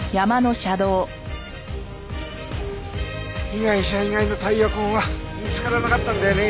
被害者以外のタイヤ痕は見つからなかったんだよね？